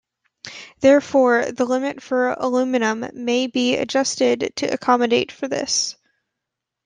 Therefore, the limit for aluminium may be adjusted to accommodate for this.